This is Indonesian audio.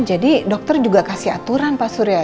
jadi dokter juga kasih aturan pak surya